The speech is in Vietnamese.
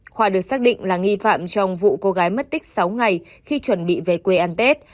khoa được xác định là nghi phạm trong vụ cô gái mất tích sáu ngày khi chuẩn bị về quê ăn tết